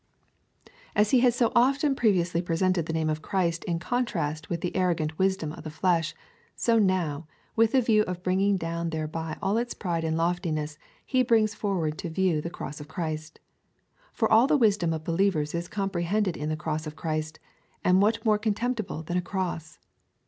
As he had so often previously presented the name of Christ in contrast with the arrogant wisdom of the flesh, so now, with the view of bringing down thereby all its pride and lofti ness, he brings forward to view the cross of Christ. For all the wisdom of believer's is comprehended in the cross of Christ, and what more contemptible than a cross